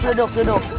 duduk duduk duduk